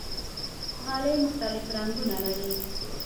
غالۍ مختلف رنګونه لري.